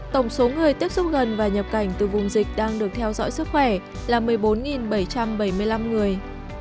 tổng số người tiếp xúc gần và nhập cảnh từ vùng dịch đang được theo dõi sức khỏe là một mươi bốn bảy trăm bảy mươi năm người